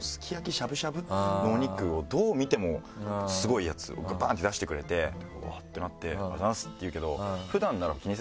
しゃぶしゃぶ？のお肉をどう見てもスゴいやつをバンって出してくれてうわっ！ってなって「ありがとうございます！」って言うけど。